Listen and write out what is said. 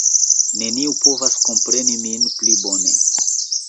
Neniu povas kompreni min pli bone.